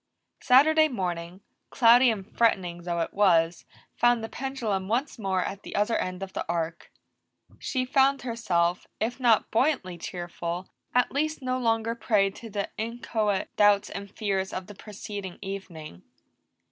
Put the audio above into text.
Saturday morning, cloudy and threatening though it was, found the pendulum once more at the other end of the arc. She found herself, if not buoyantly cheerful, at least no longer prey to the inchoate doubts and fears of the preceding evening.